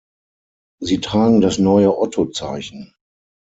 Sie tragen das neue Otto-Zeichen.